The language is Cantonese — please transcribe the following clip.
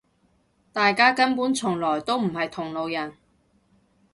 大家根本從來都唔係同路人